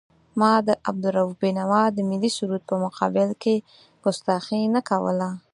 ما د عبدالرؤف بېنوا د ملي سرود په مقابل کې کستاخي نه کوله.